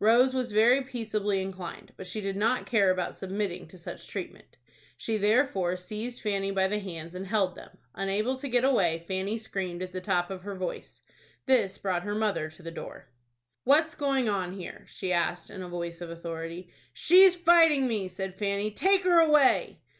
Rose was very peaceably inclined, but she did not care about submitting to such treatment. She therefore seized Fanny by the hands and held them. Unable to get away, Fanny screamed at the top of her voice. This brought her mother to the door. "What's going on here?" she asked, in a voice of authority. "She's fighting me," said Fanny. "Take her away."